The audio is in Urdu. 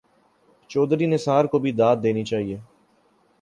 چوہدری نثار کو بھی داد دینی چاہیے۔